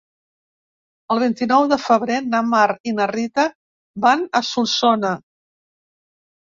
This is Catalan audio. El vint-i-nou de febrer na Mar i na Rita van a Solsona.